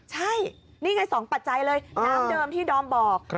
ใช่นี่ไง๒ปัจจัยเลยน้ำเดิมที่ดอมบอก